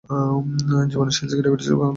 জীবনের শেষদিকে ডায়াবেটিস রোগে আক্রান্ত হন তিনি।